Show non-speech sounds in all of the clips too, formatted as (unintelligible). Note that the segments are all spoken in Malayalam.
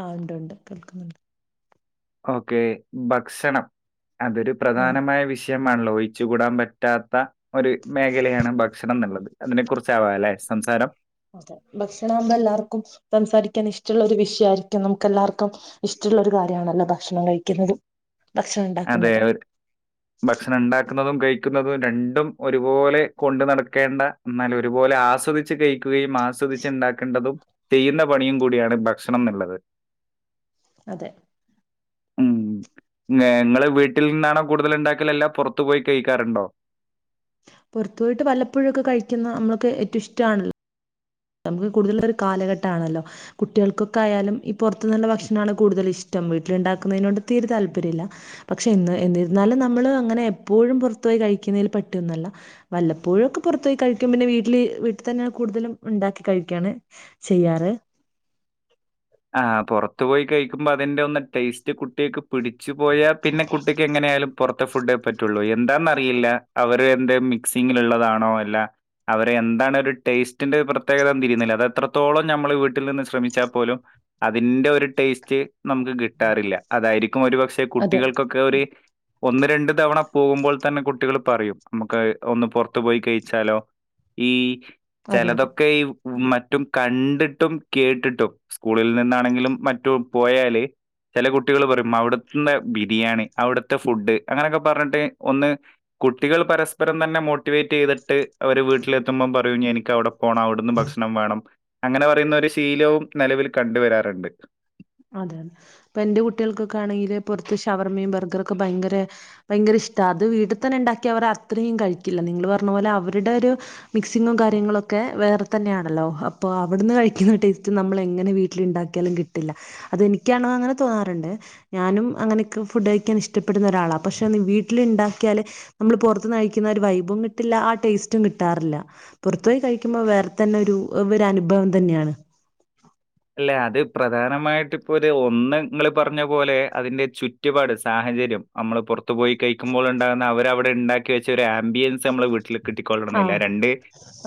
ആ ഇണ്ട് ഇണ്ട് കേൾക്കുന്നുണ്ട് ഓക്കേ ഭക്ഷണം അതൊരു ആഹ് പ്രധാനമായ വിഷയം മാണല്ലോ ഒഴിച്ചു കൂടാൻ പറ്റാത്ത ഒരു മേഖലയാണ് ഭക്ഷണം ന്ന്ള്ളത് അതിനെ കുറിച്ചാവാലേ സംസാരം അതെ ഭക്ഷണാമ്പോ എല്ലാർക്കും സംസാരിക്കാൻ ഇഷ്ടുള്ള ഒരു വിഷ്‌യായിരിക്കും നമുക്ക് എല്ലാർക്കും ഇഷ്ടള്ളൊരു കാര്യാണല്ലോ ഭക്ഷണം കഴിക്കുന്നത് അതെ ഒര് ഭക്ഷണംണ്ടാക്ക ക്ന്നതും കഴിക്കുന്നതും രണ്ടും ഒരുപോലെ കൊണ്ടു നടക്കേണ്ട എന്നാലൊരുപോലെ ആസ്വദിച്ച് കഴിക്കുകയും ആസ്വദിച്ച്ണ്ടാക്കണ്ടതും ചെയ്യുന്ന പണിയും കൂടിയാണ് ഭക്ഷണം ന്ന്ള്ളത് അതെ ഉം നേ ഇങ്ങള് വീട്ടിൽ നിന്നാണോ കൂടുതല് ഉണ്ടാക്കല് അല്ല പോറത്തു പോയി കഴിക്കാറുണ്ടോ പുറത്ത് പോയ്ട്ട് വല്ലപ്പോഴൊക്കെ കഴിക്കുന്ന നമ്മൾക്ക് ഏറ്റൊ ഇഷ്ടാണല്ലോ നമുക്ക് കൂടുതൽ ഒരു കാലഘട്ടാണല്ലോ കുട്ടികൾക്കൊക്കെ ആയാലും ഈ പുറത്ന്നുള്ള ഭക്ഷണാണ് കൂടുതലിഷ്ടം വീട്ടിലുണ്ടാക്കുന്നതിനോട് തീരെ താല്പര്യ ഇല്ല പക്ഷെ എന്ന് എന്നിരുന്നാലും നമ്മള് അങ്ങനെ എപ്പോഴും പോറത്ത് പോയി കഴിക്കുന്നതിൽ പേട്ട്ന്നല്ല വല്ലപ്പോഴൊക്കെ പോറത്തോയി കഴിക്കും പിന്നെ വീട്ടില് വീട്ട്തന്നെയാണ് കൂട്തലും ഉണ്ടാക്കി കഴിക്കാണ് ചെയ്യാറ് ആ പോറത്ത് പോയി കഴിക്കുമ്പോ അതിന്റെ ഒന്ന് ടേസ്റ്റ് കുട്ട്യേക്ക് പിടിച്ച് പോയാ പിന്നെ കുട്ടിക്ക് എങ്ങനെ ആയാലും പുറ ത്തെ ഫുഡേ പറ്റൊള്ളൂ എന്താന്നറിയില്ല അവര് എന്ത് മിക്സിങ്ങിലുള്ളതാണോ അല്ല അവരെ എന്താണ് ഒരു ടേസ്റ്റിന്റെ പ്രത്യേകത തിരീന്നില്ല അതത്രത്തോളം നമ്മള് വീട്ടിൽ നിന്ന് ശ്രമിച്ചാ പോലും അതിന്റെ ഒരു ടേസ്റ്റ് നമുക്ക് കിട്ടാറില്ല അതായിരിക്കും ഒരു പക്ഷെ അതെ കുട്ടികൾക്കൊക്കെ ഒരു ഒന്ന് രണ്ട് തവണ പോകുമ്പോൾ തന്നെ കുട്ടികൾ പറയും നമുക്ക് ഒന്ന് പോറത്ത് പോയി കഴിച്ചാലോ ഈ അതെ അതെ അതെ ചെലതൊക്കെയ് മറ്റും കണ്ടിട്ടും കേട്ടിട്ടും സ്കൂളിൽ നിന്നാണെങ്കിലും മറ്റു പോയാല് ചില കുട്ടികൾ പറയും ഉമ്മ അവിടുന്നെ ബിരിയാണി അവിടുത്തെ ഫുഡ് അങ്ങനെക്കെ പറഞ്ട്ട് ഒന്ന് കുട്ടികൾ പരസ്പരം തന്നെ മോട്ടിവേറ്റ് ചെയ്തിട്ട് അവര് വീട്ടിലെത്തുമ്പം പറയും എനിക്കവിടെ പോണം അവിടുന്ന് ഭക്ഷണം വേണം അങ്ങനെ പറയുന്ന ഒരു ശീലവും നെലവില് കണ്ട് വരാറ്ണ്ട് അതെയതെ പ്പ എന്റെ കുട്ടികൾക്കൊക്കെ ആണെങ്കില് പോറത്ത് ഷവർമ്മയും ബർഗറൊക്കെ ഭയങ്കര ഭയങ്കര ഇഷ്ടാ അത് വീട്ടിൽ തന്നെ ഇണ്ടാക്കി അവർ അത്രയും കഴിക്കില്ല നിങ്ങള് പറഞ്ഞ പോലെ അവരുടെ ഒരു മിക്സിങ്ങും കാര്യങ്ങളോക്കെ വേറെ തന്നെയാണല്ലോ അപ്പൊ അവിടുന്ന് കഴിക്കുന്ന ടേസ്റ്റ് നമ്മള് എങ്ങനെ വീട്ടില് ഇണ്ടാക്കിയാലും കിട്ടില്ല അതെനിക്കാണോ അങ്ങനെ തോന്നാറ്ണ്ട് ഞാനും അങ്ങനെക്കെ ഫുഡ് കഴിക്കാൻ ഇഷ്ടപ്പെടുന്ന ഒരാളാ പക്ഷെ വീട്ടില് ഇണ്ടാക്കിയാല് നമ്മള് പോറത്ത്ന്ന് കഴിക്കുന്ന ഒരു വൈബും കിട്ടില്ല ആ ടേസ്റ്റും കിട്ടാറില്ല പുറത്തു പോയി കഴിക്കുമ്പോൾ വേറെ തന്നെ ഒരു ഒരു അനുഭവം തന്നെയാണ് അല്ലെ അത് പ്രധാനമായിട്ട് ഇപ്പോ ഒരു ഒന്ന് ങ്ങള് പറഞ്ഞ പോലെ അതിന്റെ ചുറ്റുപാട് സാഹചര്യം അമ്മള് പുറത്തു പോയി കഴിക്കുമ്പോൾ ഉണ്ടാകുന്ന അവരവിടെ ഇണ്ടാക്കി വെച്ച ഒരു ആംബിയൻസ് നമ്മടെ വീട്ടില് ആ കിട്ടിക്കൊള്ളന്ന്മില്ല രണ്ട്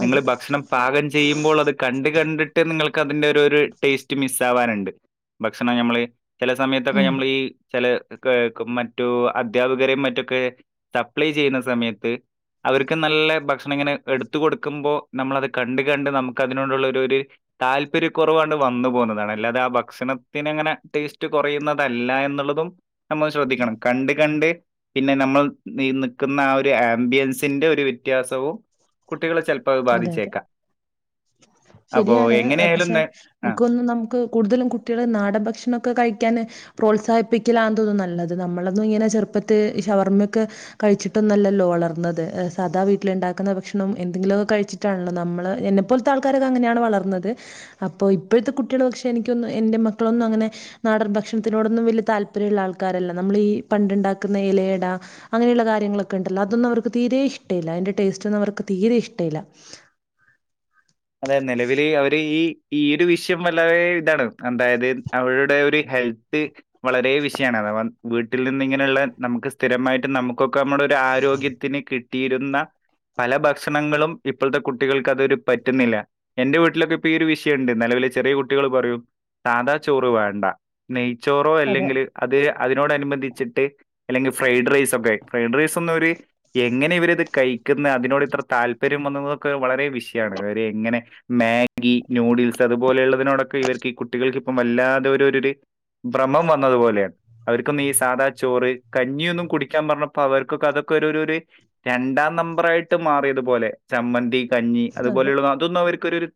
അതെ നിങ്ങള് ഭക്ഷണം പാകം ചെയ്യുമ്പോൾ അത് കണ്ട് കണ്ട് ട്ട് നിങ്ങൾക്ക് അതിന്റെ ഒരു ഒരു ടേസ്റ്റ് മിസ് ആവാന്ണ്ട് ഭക്ഷണം നമ്മള് ചെല സമയത്തൊക്കെ ഉം നമ്മള് ഈ ചെല ക്കെ മറ്റു അധ്യാപകരും മറ്റൊക്കെ സപ്ലൈ ചെയ്യുന്ന സമയത്ത് അവർക്ക് നല്ല ഭക്ഷണം ഇങ്ങനെ എടുത്തു കൊടുക്കുമ്പോ നമ്മളത് കണ്ട് കണ്ട് നമുക്ക് അതിനോടുള്ള ഒരു താല്പര്യ കോറവാ വന്നു പോകുന്നതാണ് അല്ലാതെ ആ ഭക്ഷണത്തിന്ങ്ങനെ ടേസ്റ്റ് കോറയുന്നതല്ല എന്നുള്ളതും നമ്മള് ശ്രദ്ധിക്കണം കണ്ട് കണ്ട് പിന്നെ നമ്മൾ നിക്കുന്ന ആ ഒരു ആംബിയൻസിന്റെ ഒരു വ്യത്യാസവും കു കുട്ടികളെ ചിലപ്പോ അത് അതെ അതെ ബാധിച്ചേക്കാം. അപ്പൊ എങ്ങനെയ ആയാലും ഇക്കോന്ന് നമുക്ക് കൂടുതലും കുട്ടികള് നാട ഭക്ഷണംഓക്കെ കഴിക്കാൻ പ്രോത്സാഹിപ്പിക്കില്ലാ തോന്നും നല്ലത് നമ്മളൊന്നും ഇങ്ങനെ ചെറുപ്പത്തി ഷവർമ്മയൊക്കെ കഴിച്ചിട്ടൊന്നല്ലല്ലോ വളർന്നത് സാദാ വീട്ടിലുണ്ടാക്കുന്ന ഭക്ഷണം എന്തെങ്കിലു കഴിച്ചിട്ടാണല്ലോ നമ്മൾ എന്നെപ്പോലത്തെ ആൾക്കാരൊക്കെ അങ്ങനെയാണ് വളർന്നത്. അപ്പോൾ ഇപ്പോഴത്തെ കുട്ടികൾ പക്ഷെ എനിക്കൊന്നും എൻ്റെ മക്കളൊന്നും അങ്ങനെ നാടൻ ഭക്ഷണത്തിനോടൊന്നും വല്യ താല്പര്യമുള്ള ആൾക്കാരല്ല. നമ്മളീ പണ്ടിണ്ടാക്കുന്ന ഇലയട അങ്ങനെയുള്ള കാര്യങ്ങളൊക്കെ ഉണ്ടല്ലോ അതൊന്നും അവർക്ക് തീരേ ഇഷ്ടല്ല. അതിൻ്റെ ടേസ്റ്റ്ഓന്നും അവർക്ക് തീരെേ ഇഷ്ടല്ല. അതെ നിലവിൽ അവര് ഈ ഈയൊരു വിഷയം വളരെ ഇതാണ് അതായത് അവരുടെ ഒരു ഹെൽത്ത് വളരേ വിഷയമാണ് അതാ വ വീട്ടിൽ നിന്ന് ങ്ങനെയുള്ള നമുക്ക് സ്ഥിരമായിട്ട് നമുക്കൊ ക്കെ നമ്മുടെ ഒരു ആരോഗ്യത്തിന് കിട്ട തീരുന്ന പല ഭക്ഷണങ്ങളും ഇപ്പോഴത്തെ കുട്ടികൾക്ക് അതൊരു പ പറ്റുന്നില്ല എന്റെ വീട്ടിലൊക്കെ ഇ ഒരു വിഷയുണ്ട്. നിലവിലെ ചെറിയ കുട്ടികൾ പറയും സാദാ ചോറ് വേണ്ട ചോറോ അതെ അല്ലെങ്കിൽ അത് അതിനോടനുബന്ധിച്ചിട്ട് അല്ലെങ്കിൽ ഫ്രൈഡ് റൈസ് ഒക്കെ ഫ്രൈഡ് റൈസ് ഒന്നും അവര് എങ്ങനെ ഇവരത് കഴിക്കുന്ന അതിനോട് ഇത്ര താല്പര്യം വന്നുന്നതൊക്കെ വളരെ വിഷയാ (unintelligible) ഇങ്ങനെ മാഗി നൂഡിൽസ് അതുപോലെയുള്ളതിനോടൊക്കെ ഇവർക്ക് ഈ കുട്ടികൾക്ക് ഇപ്പം വല്ലാതെ ഒരു ഒരരൊര് ഭ്രമം വന്നത്പോലെയാണ്. അവർക്കൊന്നു ഈ സാദാ ചോറ്, കഞ്ഞിയൊന്നും കുടിക്കാൻ പറഞ്ഞപ്പോ അവർക്കൊക്കെ അതൊക്കെ ഒരൊരൊര് രണ്ടാം നമ്പറായിട്ട് മാറിയതുപോലെ ചമ്മന്തി കഞ്ഞി അ അതെ പോലുള്ള അതൊന്നും ഓര് ഇക്ക് ഒരു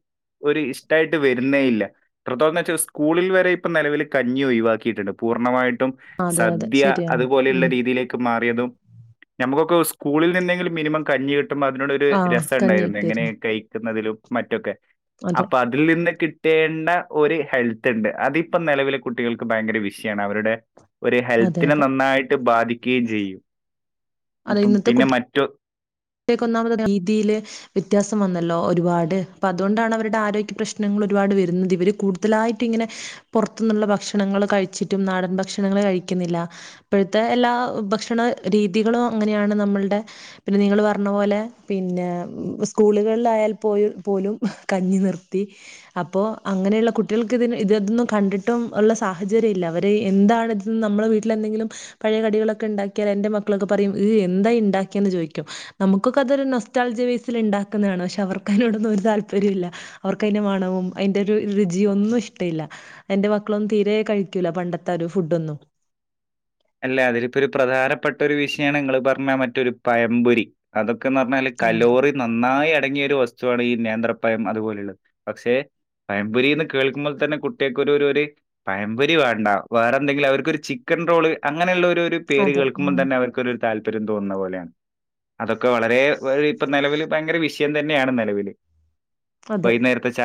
ഒര് ഇഷ്ടായിട്ട് വരുന്നേ ഇല്ല. പ്രദൊന്ന് വെച്ചാൽ സ്കൂളിൽ വരെ ഇപ്പ നിലവിൽ കഞ്ഞി ഒയിവാക്കിയിട്ടണ്ട് പൂർണ്ണമായിട്ട് ഉം അതെ അതെ സദ്യ ശരിയാണ്. അതുപോലെയുള്ള ഉം. രീതിയിലേക്ക് മാ- നമുക്കൊക്കെ സ്കൂളിൽ നിന്നെ- ങ്കിലും മിനിമം കഞ്ഞി കി- ക്കുമ്പോ അതിനോടൊരു ആ രസം കഞ്ഞി ഉണ്ടായിരുന്നു എങ്ങനെ ഇട്ടിരുന്നു. ക കുന്നതിലും മറ്റൊക്കെ അതെ അപ്പൊ അതിൽ നിന്ന് കിട്ട- കിട്ടേണ്ട ഒരു ഹെൽത്ത്ണ്ട്. അതിപ്പോ നെലവിലെ കുട്ടികൾക്ക് ഭയങ്കര വിഷയമാണ് അവരുടെ ഒരു അതെ ഹെൽത്തിനെ അതെ. നന്നായിട്ട് ബാധിക്ക്യേംയും ചെയ്യും ഇപ്പം പിന്നെ മറ്റു (inaudible) ഇപ്പൊക്കൊന്നാമത് രീതിയില് വ്യത്യാസം വന്നല്ലോ ഒരുപാട് അപ്പൊ അതുകൊണ്ടാണ് അവരുടെ ആരോഗ്യ പ്രശ്നങ്ങൾ ഒരുപാട് വരുന്നത് ഇവര് കൂടുതലായിട്ടും ഇങ്ങനെ പുറത്തുന്നുള്ള ഭക്ഷണങ്ങൾ കഴിച്ചിട്ടും നാടൻ ഭക്ഷണങ്ങൾ കഴിക്കുന്നില്ല ഇപ്പോഴത്തെ എല്ലാ ഭക്ഷണ രീതികളും അങ്ങനെയാണ് നമ്മളുടെ പിന്നെ നിങ്ങള് പറ- പറഞ്ഞ പോലെ പിന്നെ സ്കൂളുകളിലായാൽ പോയു പോലും കഞ്ഞി നിർത്തി അപ്പോ അങ്ങനെയുള്ള കുട്ടികൾക്ക് ഇതി ഇതതൊന്നും കണ്ടിട്ടും ഉള്ള സാഹചര്യം ഇല്ല അവര് എന്താണ് ഇത് നമ്മളെ വീട്ടില എന്തെങ്കിലും പഴയ കടികളൊക്കെ ഉണ്ടാക്കിയാൽ എന്റെറ മക്കളൊക്കെ പറയും ഈ എന്താ ഉണ്ടാക്കിയന്ന് ചോദിക്കും നമുക്കൊക്കെ അതൊരു നൊസ്റ്റാൾജിയ ബെയ്സിൽ ഉണ്ടാക്കുന്നതാണ് പക്ഷെ അവർക്കതിനോടൊന്നും ഒരു താല്പര്യം ഇല്ല അവർക്കതിന്റെ മണവും അയ്ന്റെ രു രുചിയു ഒന്നും ഇഷ്ടയില്ല. എൻ്റെ മക്കളൊന്നും തീരെ കഴിക്കൂല പണ്ടത്തെ ഒര് ഫുഡൊന്നും അല്ല അതിലിപ്പോ ഒരു പ്രധാനപ്പെട്ട ഒരു വിഷയാണ് നിങ്ങള് പറഞ്ഞ മറ്റെ- മറ്റൊരു പയമ്പൊരി അതൊക്കെ അതൊക്കന് പറഞ്ഞാല് അതെ. കലോറി നന്നായി തുടങ്ങിയ ഒരു വസ്തുവാണ് ഈ നേന്ത്രപ്പയം അതുപോലെയുള്ളത് പക്ഷെ പയംപൊരിന്ന് കേൾക്കുമ്പോൾ തന്നെ കുട്ടികൾക്കൊരു ഒരു പയംപൊരി വേണ്ട വേറെ എന്തെങ്കിലും അവർക്കൊരു ചിക്കൻ റോള് അങ്ങനെയുള്ള ഒരു ഒരു പേര് അതെ. കേൾക്കുമ്പോൾ ഉം. തന്നെ അവർക്കൊരു താല്പര്യം തോന്നുന്ന പോലെയാണ് അതൊക്കെ വളരെ ഇപ്പ നിലവിൽ ഭയങ്കര വിഷയം തന്നെയാണ് നിലവിൽ അതെ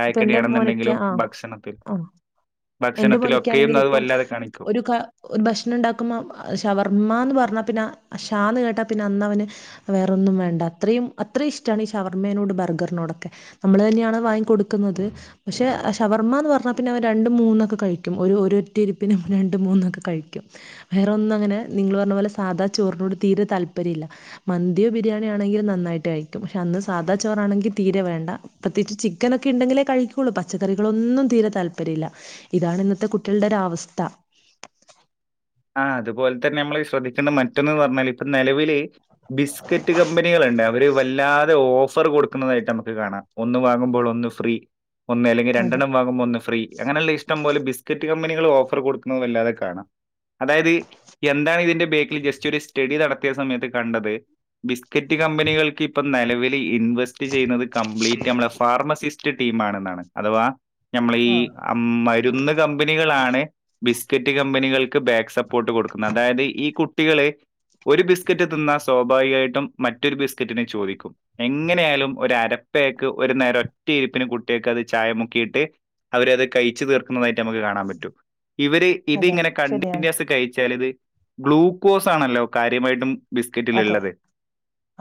ഇപ്പൊ എൻറെ മോനയ്ക്ക് ആ ഭക്ഷണത്തിൽ ആ എൻ്റെ മോനക്കാണെങ്കിൽ ഭക്ഷണത്തിലൊക്കെയും അത് ഇപ്പം വല്ലാതെ കാണിക്കും. ഒരു ക ഭക്ഷണം ഉണ്ടാക്ക ക്കുമ്പോ ഷവർമ്മ എന്ന് പറഞ്ഞ പിന്നെ ഷാന്ന് കേട്ടാ പിന്നെ അന്ന അവന് വേറെൊന്നും വേണ്ട അത്രയും അത്രയും ഇഷ്ടമാണ് ഈ ഷവർമ്മനോട് ബർഗറിനോടൊക്കെ നമ്മൾ തന്നെയാണ് വാങ്ങി കൊടുക്കുന്നത് പക്ഷെ ഷവർമ്മ എന്ന് പറഞ്ഞാൽ പിന്നെ അവ രണ്ടും മൂന്നൊക്കെ കഴിക്കും ഒരു ഒറ്റ ഇരിപ്പിനും രണ്ടും മൂന്നൊക്കെ കഴിക്കും വേറെ ഒന്നും അങ്ങനെ നിങ്ങൾ പറഞ്ഞ പോലെ സാധാ ചോറിനോട് തീരെ താല്പര്യമില്ല മന്തിയോ ബിരിയാണിയോ ആണെങ്കിലും നന്നായിട്ട് കഴിക്കും പക്ഷെ അന്ന് സാധാ ചോറാണെങ്കിൽ തീരെ വേണ്ട പ്രത്യേകിച്ച് ചിക്കൻ ഒക്കെ ഉണ്ടെങ്കിലേ കഴിക്കുള്ളൂ പച്ചക്കറികളൊന്നും തീരെ താല്പര്യം ഇല്ല ഇതാണ് ഇന്നത്തെ കുട്ടികളുടെ ഒരവസ്ഥ ആ അതുപോലെ തന്നെ നമ്മള് ശ്രദ്ധിക്കേണ്ട മറ്റൊന്ന് ന് പറഞ്ഞാൽ ഇപ്പ നിലവില് ബിസ്ക്കറ്റ് കമ്പനികളുണ്ട് അവര് വല്ലാതെ ഓഫർ കൊടുക്കുന്നതായിട്ട് നമുക്ക് കാണാം ഒന്ന് വാങ്ങുമ്പോൾ ഒന്ന് ഫ്രീ ഒന്ന് അല്ലെങ്കിൽ അതെ രണ്ടെണ്ണം വാങ്ങുമ്പോ ഒന്ന് ഫ്രീ അങ്ങനെയുള്ള ഇഷ്ടം പോലെ ബിസ്ക്കറ്റ് കമ്പനികൾ ഓഫർ കൊടുക്കുന്നത വല്ലാതെ കാണാം അതായത് എന്താണ് ഇതിന്റെ ബേക്കിൽ ജസ്റ്റ് ഒരു സ്റ്റഡി നടത്തിയ സമയത്ത് കണ്ടത് ബിസ്ക്കറ്റ് കമ്പനികൾക്ക് ഇപ്പം നിലവിലി ഇൻവെസ്റ്റ് ചെയ്യുന്നത് കംപ്ലീറ്റ് നമ്മ ഫാർമസിസ്റ്റ് ടീം ആണെന്നാണ് അഥവാ നമ്മൾ ഈ ആഹ് മരുന്ന് കമ്പനികളാണ് ബിസ്കറ്റ് കമ്പനികൾ ക് ബാക്സപ്പ് പ്പോട്ട് കൊടുക്കുന്നത് അതായത് ഈ കുട്ടി കുട്ടികൾ ഒരു ബിസ്കറ്റ് തിന്നാൽ സ്വാഭാവികമായിട്ടും മറ്റൊരു ബിസ്കറ്റിനെ ചോദിക്കും എങ്ങനെ ആയാലും ഒരു അരപ്പേയേക്ക് ഒരു നേരം ഒറ്റ ഇരിപ്പിന് കുട്ടിയക്ക് അത് ചായ മുക്കിയിട്ട് അവരത് കഴിച്ചു തീർക്കുന്നതായിട്ട് നമുക്ക് കാണാൻ പറ്റും ഇവര് അതെ ഇതിങ്ങനെ കണ്ടി- ശരിയാണ് പിന്യാസ് കഴിച്ചാൽ ഇത് ഗ്ലൂക്കോസ് ആണല്ലോ കാര്യമായിട്ടും ബിസ്കറ്റില അതെ ഇള്ളത്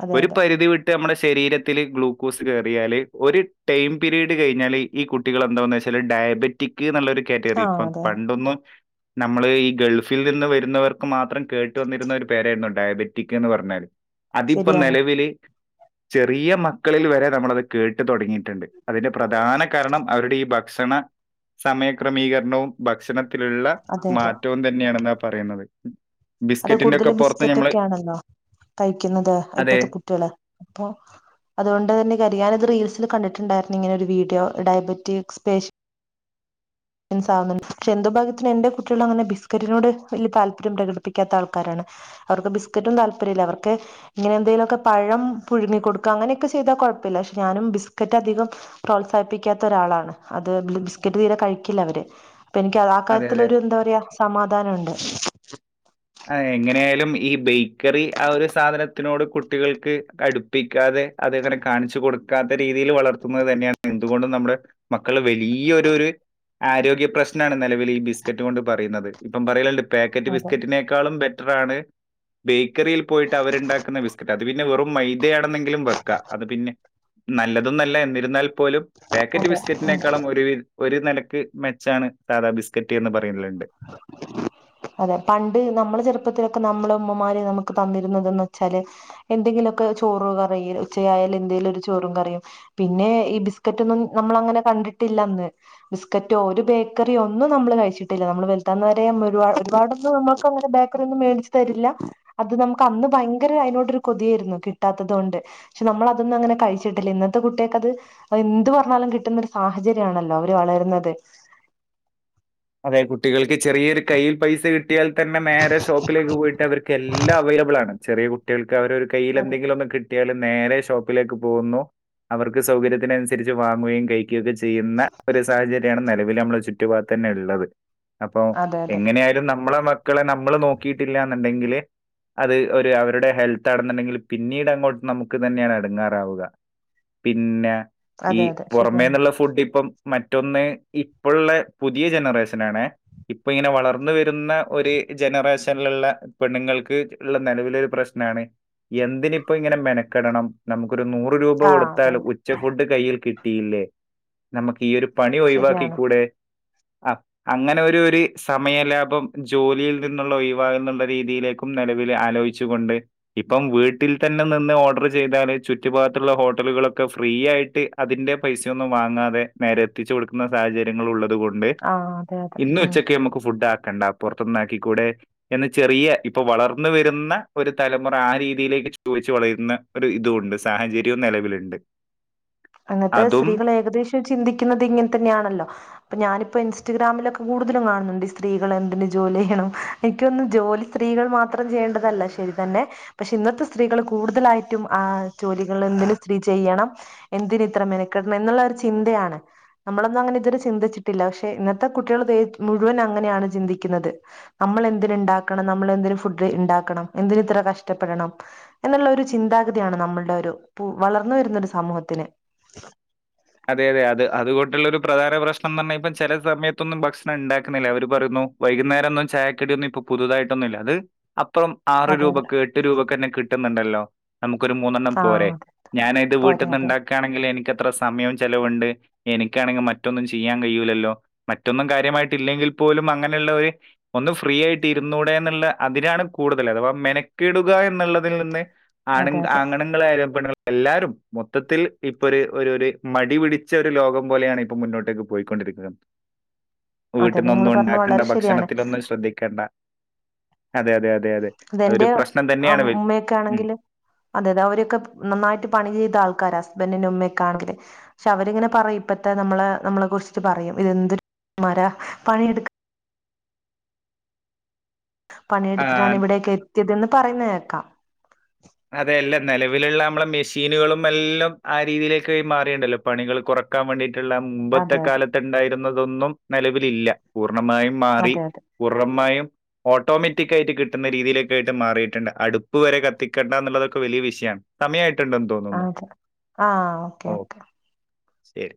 അതെ ഒരു അതെ പരിധി വിട്ട് നമ്മുടെ ശരീരത്തിൽ ഗ്ലൂക്കോസ് കയറിയാൽ ഒരു ടൈം പീരീഡ് കഴിഞ്ഞാൽ ഈ കുട്ടികൾെന്താെന്ന് വെച്ചാൽ ഡയബറ്റിക് നല്ലൊരു കാറ്റഗറി ആഹ് ഇപ്പം അതെ അതെ പണ്ടൊന്ന് നമ്മള് ഈ ഗൾഫിൽ നിന്ന് വരുന്നവർക്ക് മാത്രം കേട്ട് വന്നിരുന്ന ഒരു പേരായിരുന്നു ഡയബറ്റിക് എന്ന് പറഞ്ഞാൽ അതിപ്പ ശരിയാണ് നിലവില് ചെറിയ മക്കളിൽ വരെ നമ്മളത് കേട്ട് തുടങ്ങിയിട്ട ണ്ട് അതിന്റെ പ്രധാന കാരണം അവരുടെ ഈ ഭ ക്ഷണ സമയക്രമീകരണവും ഭക്ഷണ ത്തിലുള്ള അതെ അതെ മാറ്റ തന്നെയണെന്നാ പറയണത് അത് കൂടുതലും ബിസ്കറ്റ് ഒക്കെയാണല്ലോ കഴിക്കുന്നത് അതെ. ഇപ്പത്തെ കുട്ടികള് അപ്പൊ അതുകൊണ്ട് തന്നെ ക ഞാനത് റീൽസിൽ കണ്ടി ട്ടാണ്ടായി ഇങ്ങനെ ഒരു വീഡിയോ ഡയബറ്റിക് സ്പേ മൻസുന്നുണ്ട് പക്ഷെ എന്തോ ഭഗത്തിന് എന്റെ കുട്ടികള അങ്ങനെ ബിസ്ക്കറ്റിനോട് വലിയ താല്പര്യം പ്രകടിപ്പിക്കാത്ത ആൾക്കാരാണ് അവർക്ക് ബിസ്ക്കറ്റും താല്പര്യല്ല അവർക്ക് ഇങ്ങനെ എന്തെങ്കിലുമൊക്കെ പഴം പുഴുങ്ങി കൊടുക്കുക അങ്ങനെയൊക്കെ ചെയ്തൽ കുഴപ്പമില്ല പക്ഷെ ഞാനും ബിസ്ക്കറ്റ് അധികം പ്രോത്സാഹിപ്പിക്കാത്ത ഒരാളാണ് അത് ബിസ്ക്കറ്റ് തീരെ കഴി ക്കില്ല അവര് അപ്പൊ എനിക്ക് അത് ആ അതെ, കാര്യത്തിലൊ അതെ. എന്താ പറയാ സമാധാനംണ്ട് ആ എങ്ങനെയ ആലും ഈ ബേക്കറി ആ ഒരു സാധനത്തിനോട് കുട്ടികൾക്ക് അടുപ്പിക്കാതെ അങ്ങനെ കാണിച്ചു കൊടുക്കാത്ത രീതിയിൽ വളർത്തുന്നത് തന്നെയാണ് എന്തുകൊണ്ടും നമ്മടെ മക്കൾ വലിയൊരു ഒരു ആരോഗ്യ പ്രശ്നം നിലവിൽ ഈ ബിസ്ക്കറ്റ് കൊണ്ട് പറയുന്നത് ഇപ്പം പറയലണ്ട് പാക്കക്ട് അതെ ബിസ്‌ക്കറ്റ് - ബെറ്ററാണ് ബേക്കറിയിൽ പോയിട്ട് അവരുണ്ടാക്കുന്ന ബിസ്ക്കറ്റ് അത് പിന്നെ വെറും മൈതയാണെന്നെങ്കിലും വെക്ക അത് പിന്നെ നല്ലതും നല്ല എന്നിരുന്നാൽ- പോലും പാക്കറ്റ് അതെ ഉം ബിസ്ക്കറ്റിനേക്കാളും ഒരു- ഒരു നിലക്ക് മെച്ചാണ് സാധാ ബിസ്ക്കറ്റ് എന്ന് പറയുന്നത് ഫൻലണ്ട (unintelligible) അതെ പണ്ട് നമ്മളെ ചെറുപ്പത്തിലൊക്കെ നമ്മള ഉമ്മമാര് നമുക്ക് തന്നിരുന്നുന്നത്ന്ന് വെച്ചാല് എന്തെങ്കിലുമൊക്കെ ചോറ് കറി ഉച്ചയായൽ എന്തെങ്കിലും ഒരു ചോറും കറിയും പിന്നെ ഈ ബിസ്ക്കറ്റൊന്നും നമ്മളങ്ങനെ കണ്ടിട്ടില്ലന്ന് ബിസ്ക്കറ്റോ ഒരു ബേക്കറിയോ ഒന്നും നമ്മള് കഴിച്ചിട്ട നമ്മള് വലുത്താന്ന വരെ ഒരു ഒരുപാടൊന്നും നമ്മക്ക് അങ്ങനെ ബേക്കറി ഒന്നും മേടിച്ചച്ച് തരില്ല അത് നമുക്ക് അന്ന് ഭയങ്കര അതിനോട്രു കൊതിയായിരുന്നു കിട്ടാത്തത്കൊണ്ട് പക്ഷെ നമ്മള അതൊന്നും അങ്ങനെ കഴിച്ചിട്ടില്ല ഇന്നത്തെ കുട്ടികക്ക് അത് എന്ത് പറഞ്ഞാലും കിട്ടുന്ന ഒരു സാഹചര്യമാണല്ലോ അവര് വളരുന്നത് അതെ കുട്ടികൾക്ക് ചെറിയൊരു കയ്യിൽ പൈസ കിട്ടി ചില ആൾക്കാർ തന്നെ നേരെ ഷോപ്പിലേക്ക് പോയിട്ട് അവർക്ക് എല്ലാം അവൈലബിൾ ആണ് ചെറിയ കുട്ടികൾക്ക് അവര ഒരു കയ്യിൽ അതെ എന്തെിലും ഒന്ന് കിട്ടി - കിട്ടിയാൽ നേരെ ഷോപ്പിലേക്ക് പോകുന്നു അവർക്ക് സൗകര്യത്തിനനുസരിച്ച് വാങ്ങുകയും കഴിക്കുകക്കെ ചെയ്യുന്ന ഒരു സാഹചര്യമാണ് നിലവിൽ നമ്മള് ചുറ്റ്പാ തന്നെ ഉള്ളത് അപ്പൊ അതെ അതെ എങ്ങനൊയാലും നമ്മളെ മക്കളെ നമ്മൾ നോക്കിയിട്ടില്ല എന്നുണ്ടെങ്കില് അത് ഒരു അവരുടെ ഹെൽത്ത്ണന്നുണ്ടെങ്കിൽ പിന്നീട് അങ്ങോട്ട് നമുക്ക് തന്നെയാണ് അടുങ്ങാറാവുക പിന്നെ ഈ അതെ അതെ ശരിയാണ് പുറമേന്നുള്ള ഫുഡ് ഇപ്പം മറ്റൊന്ന് ഇപ്പോള്ള പുതിയ ജനറേഷന ആണേ ഇപ്പൊ ഇങ്ങനെ വളർന്ന് വരുന്ന ഒരു ജനറേഷനിലുള്ള പെണ്ണുങ്ങൾക്ക് ഉള്ള നിലവിലരു പ്രശ്നമാണ് എന്തിനിപ്പോ ഇങ്ങനെ മെനക്കെടണം നമുക്ക് ഒരു നൂറ് രൂപ ആ അതെ കൊടുത്താൽ ഉച്ച ഫുഡ് കയ്യിൽ കി ല്ലേ നമുക്ക് ഈ ഒരു പണി ഒഴിവാക്കി ശരിയാണ് കൂടെ ആ അങ്ങനെ ഒരു ഒരു സമയ ലാഭം ജോലിയിൽ നിന്നുള്ള ഒഴിവാക എന്നുള്ള രീതിയിലേക്കും നിലവിൽ ആലോചിച്ചുക കൊണ്ട് ഇപ്പം വീട്ടിൽ തന്നെ നിന്ന് ഓർഡർ ചെയ്താല് ചുറ്റു ഭാഗത്തുള്ള ഹോട്ടലുകളൊക്കെ ഫ്രീ ആയിട്ട് അതിന്റെ പൈസയൊന്നും വാങ്ങാതെ നേരെ എത്തിച്ചു കൊടുക്കുന്ന സാഹചര്യങ്ങളൾ ഉള്ള ആഹ് അതെ അതെ ഇന്ന ഉം ഉച്ചക്ക് നമുക്ക് ഫുഡാ കണ്ടപ്പുറത്തുന്നാക്കി കൂടെ എന്ന് ചെറിയ ഇപ്പൊ വളർന്ന വരുന്ന ഒരു തലമുറ ആ രീതിയിലേക്ക് ചോദിച്ചു വളരുന്ന ഒരു ഇതും ഉണ്ട് സാഹചര്യവും നിലവില്ണ്ട് അങ്ങത്തെ സ്ത്രീകൾ ഏകദേശം ചിന്തിക്കുന്നത് ഇങ്ങനെ തന്നെയാണല്ലോ അപ്പൊ ഞാനിപ്പോ ഇൻസ്റ്റഗ്രാമിലൊക്കെ കൂടുതലും കാണുന്നുണ്ട് ഈ സ്ത്രീകൾ എന്തിനന് ജോലി ചെയ്യണം എനിക്കൊന്നും ജോലി സ്ത്രീകൾ മാത്രം ചെയ്യേണ്ടതല്ല ശരി തന്നെ പക്ഷെ ഇന്നത്തെ സ്ത്രീകൾ കൂടുതലായിട്ടും ആ ജോലികൾ എന്ന് സ്ത്രീ ചെയ്യണം എന്തിന ഇത്ര മെനക്കെട്ടണം എന്നുള്ള ഒരു ചിന്തയാണ് നമ്മളൊന്നും അങ്ങനെ ഇത്ര ചിന്തിച്ചിട്ടില്ല പക്ഷെ ഇന്നത്തെ കുട്ടികൾ ത മുഴുവൻ അങ്ങനെയാണ് ചിന്തിക്കുന്നത് നമ്മൾെന്തിന ഉണ്ടാക്കണം നമ്മൾ എന്തിനന് ഫുഡ് ഉണ്ടാക്കണം എന്ന് ഇത്ര കഷ്ടപ്പെടണം എന്നുള്ള ഒരു ചിന്താഗതിയാണ് നമ്മളുടെ ഒരു വളർന്നു വരുന്ന ഒരു സമൂഹ- (unintelligible) അതെ അതെ അതെ അതുകൊട്ടുള്ള ഒരു പ്രധാന പ്രശ്നം എന്ന് പറഞ്ഞാൽ ഇപ്പ ചില സമയത്തൊന്നും ഭക്ഷണം ഉണ്ടാക്കുന്നില്ല അവര് പറയുന്നു വൈകുന്നേരംന്നും ചായക്കടൊന്നും ഇപ്പൊ പുതുതായിട്ടൊന്നുല്ല അത് അപ്പറം ആറ് അതെ അതെ രൂപയ്ക്ക് എട്ട് രൂപയ്ക്ക് തന്നെ കിട്ടുന്നുണ്ടല്ലോ (inaudible) നമുക്കൊരു മൂന്നെണ്ണം പോരെ ആഹ് അതെ ഞാൻ ഇത് വീട്ടിൽ പോരെ നിന്ന് അതെ ഉണ്ടാക്കുകയാണെങ്കിൽ എനിക്ക് സമയം ചിലലവുണ്ട് എനിക്കാണെങ്കിൽ മറ്റൊന്നും ചെയ്യാൻ കഴിയൂല്ലല്ലോ മറ്റൊന്നും കാര്യമായിട്ട ഇില്ലെങ്കിൽ പോലും അങ്ങനെയുള്ളവര് ഒന്ന് ഫ്രീ ആയിട്ട് ഇരുന്നൂടെ എന്നുള്ള അതിനാണ് കൂടുതൽ അഥവാ മെനക്കെിടുക എന്നുള്ളതിൽ നിന്ന് ആണ് അതെ അതെ ആങ്ങണങ്ങള ആയലും പെണ്ണുങ്ങൾ എല്ലാരും മൊത്തത്തിൽ ഇപ്പൊ ഒരു ഒര് ഒര് മടി പിടിച്ച ഒരു ലോകം പോലെയാണ് ഇപ്പ മുന്നോട്ടേക്ക് പോയിക്കൊണ്ടിരിക്കുന്നത് അതെ നിങ്ങൾ വീട്ടന്നൊന്നും പറഞ്ഞ ഉണ്ടാക്കേണ്ട വളരെ ശരിയാണ് ഭക്ഷണത്തിന്നും ശ്രദ്ധിക്കേണ്ട അതെ അതെ അ അതെന്റെ ഉമ്മയൊക്കെ ഉം. ആണെങ്കിൽ അതെ അതെ അവരൊക്കെ നന്നായിട്ട് പണി ചെയ്ത ആൾക്കാരാ ബ ഉമ്മയക്കാണെങ്കില് പക്ഷെ അവരിങ്ങനെ പറയും ഇപ്പത്തെ നമ്മളെ നമ്മളെ കുറിച്ചിട്ട് പറയും ഇതെന്തൊരു മര പണിയെടുക്ക ആ, പണിയെടുത്തിട്ടാണ് ഇവിടേക്ക എത്തിയതന്ന് പറയുന്ന കേക്കാം അതെയല്ല നിലവിലുള്ള നമ്മളെ മെഷീനുകളും എല്ലാം ആ രീതിയിലേക്ക് മാറിയുണ്ടല്ലോ പണികൾ കുറക്കാൻ വേണ്ടിട്ട് മുമ്പത്തെ അതെ അതെ കാലത്ത്ണ്ടായിരുന്നത് അതൊന്നും നിലവിലില്ല മായയും മാറി അതെ അതെ പൂർണമായും ഓട്ടോമാറ്റിക് ആയിട്ട് കിട്ടുന്ന രീതിയിലൊക്കെ ആയിട്ട് മാറിയിട്ടുണ്ട് അടുപ്പ് വരെ കത്തി കെട്ടുക എന്നുള്ളതൊക്കെ വലിയ വിഷയമാണ് സമയായിട്ട് അതെ ആഹ് ഓക്കെ ഓ ഓക്കെ ശരി